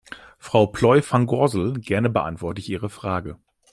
Frau Plooij-van Gorsel, gerne beantworte ich Ihre Frage.